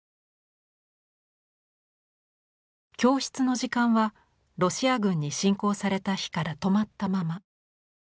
教室の時間はロシア軍に侵攻された日から止まったまま。